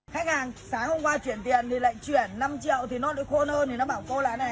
khách hàng sáng hôm qua chuyển tiền thì lại chuyển năm triệu thì nó lại khôn hơn